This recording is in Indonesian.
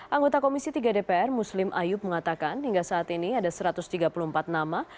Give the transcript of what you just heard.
anggota komisi tiga dpr muslim ayub mengatakan hingga saat ini ada satu ratus tiga puluh empat nama